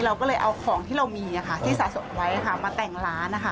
เราก็เลยเอาของที่เรามีที่สะสมไว้มาแต่งร้านนะคะ